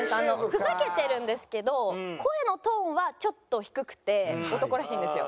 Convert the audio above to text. ふざけてるんですけど声のトーンはちょっと低くて男らしいんですよ。